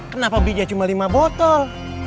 kenapa bija cuma lima botol